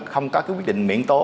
không có quyết định miễn tố